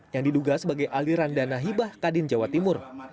yang diduga sebagai aliran dana hibah kadin jawa timur